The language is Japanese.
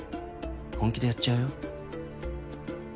本気でやっちゃうよ。